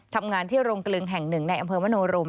ทำงานที่โรงกลึงแห่งหนึ่งในอำเภอมโนรม